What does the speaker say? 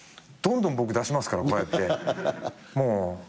どんどん僕出しますからこうやって。